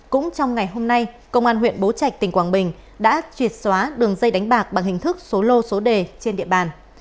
cũng trong ngày hôm nay công an huyện bố trạch tỉnh quảng bình đã triệt xóa đường dây đánh bạc bằng hình thức số lô số đề trên địa bàn